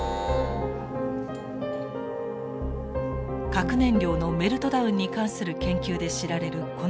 核燃料のメルトダウンに関する研究で知られるこの施設。